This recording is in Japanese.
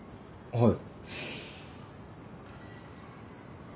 はい。